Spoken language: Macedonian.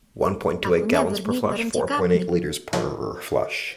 Ако не врни, барем ќе капни.